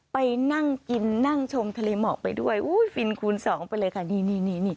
ไปนั่งกินนั่งชมทะเลหมอกไปด้วยอุ้ยฟินคูณสองไปเลยค่ะนี่นี่